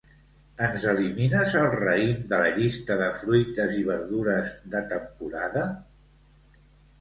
Ens elimines el raïm de la llista de fruites i verdures de temporada?